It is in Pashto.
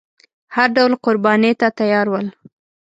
هر ډول قربانۍ ته تیار ول.